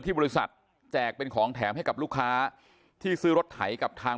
บริษัทแจกเป็นของแถมให้กับลูกค้าที่ซื้อรถไถกับทาง